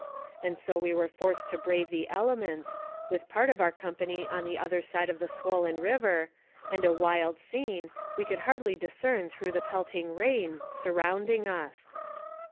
And so we were forced 2 18 NARRATIVE OF CAPTIVITY to brave the elements, with part of our company on the other side of the swollen river, and a wild scene, we could scarcely discern through the pelting rain, sur rounding us.